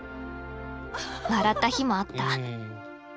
笑った日もあった。